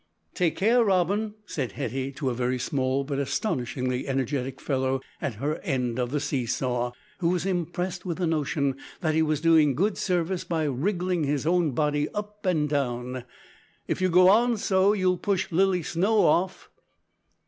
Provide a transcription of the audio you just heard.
"Take care, Robin," said Hetty, to a very small but astonishingly energetic fellow, at her end of the see saw, who was impressed with the notion that he was doing good service by wriggling his own body up and down, "if you go on so, you'll push Lilly Snow off."